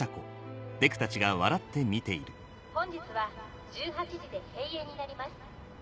本日は１８時で閉園になります。